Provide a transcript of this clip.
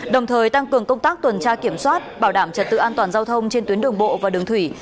đồng thời tăng cường công tác tuần tra kiểm soát bảo đảm trật tự an toàn giao thông trên tuyến đường bộ và đường thủy